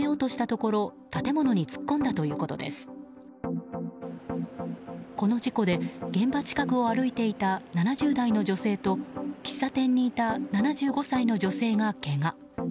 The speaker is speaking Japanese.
この事故で現場近くを歩いていた７０代の女性と喫茶店にいた７５歳の女性がけが。